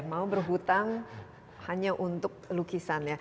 mau berhutang hanya untuk lukisannya